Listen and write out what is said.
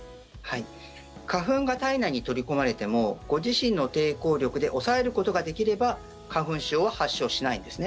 花粉が体内に取り込まれてもご自身の抵抗力で抑えることができれば花粉症は発症しないんですね。